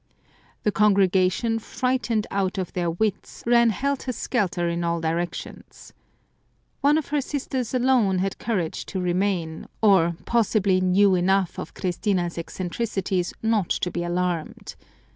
The congregation, frightened out of their wits, ran helter skelter in all directions. One of her sisters alone had courage to remain, or possibly knew enough of Christina's eccentricities not to be alarmed.